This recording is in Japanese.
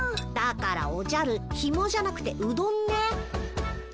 だからおじゃるヒモじゃなくてうどんね。